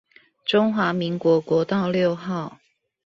中華民國國道六號